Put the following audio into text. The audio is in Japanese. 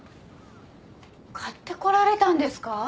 買ってこられたんですか？